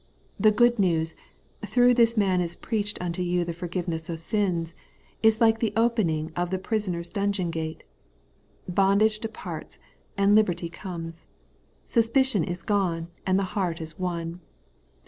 The good news, 'Through this man is preached unto you the forgiveness of sins,' is like the open ing of the prisoner's dungeon gate. Bondage de parts, and liberty comes. Suspicion is gone, and the heart is won.